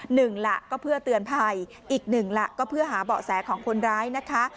หนึ่งล่ะก็เพื่อเตือนภัยอีกหนึ่งล่ะก็เพื่อหาเบาะแสของคนร้ายนะคะ